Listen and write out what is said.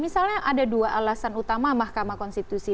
misalnya ada dua alasan utama mahkamah konstitusi